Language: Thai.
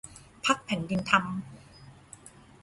พรรคแผ่นดินธรรม